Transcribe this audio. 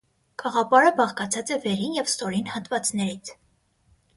Կաղապարը բաղկացած է վերին և ստորին հատվածներից։